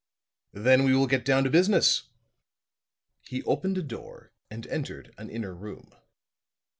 "Then we will get down to business." He opened a door and entered an inner room.